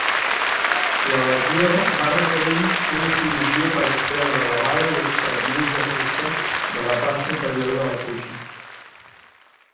La lesió va requerir una cirurgia per extreure la bala i els fragments de fusta de la part superior de la cuixa.